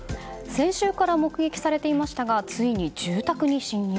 先週から目撃されていましたがついに住宅に侵入。